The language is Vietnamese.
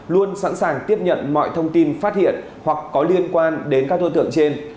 luôn sẵn sàng tiếp nhận mọi thông tin phát hiện hoặc có liên quan đến các đối tượng trên